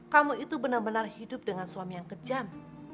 kamu itu benar benar hidup dengan suami yang kejam